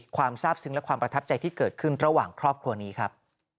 ความทราบซึ้งและความประทับใจที่เกิดขึ้นระหว่างครอบครัวนี้ครับ